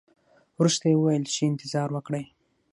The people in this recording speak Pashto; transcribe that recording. ورسته یې وویل چې انتظار وکړئ.